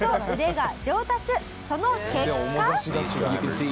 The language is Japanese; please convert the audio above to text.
その結果。